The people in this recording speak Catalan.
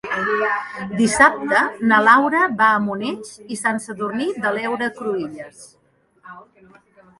Dissabte na Laura va a Monells i Sant Sadurní de l'Heura Cruïlles.